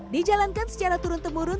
dijalankan secara turun temurun